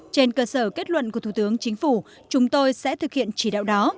trên cơ sở kết luận của thủ tướng chính phủ chúng tôi sẽ thực hiện chỉ đạo đó